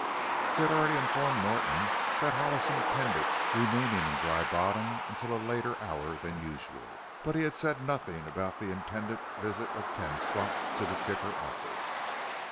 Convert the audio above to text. He had already informed Norton that Hollis intended remaining in Dry Bottom until a later hour than usual, but he had said nothing about the intended visit of Ten Spot to the Kicker office.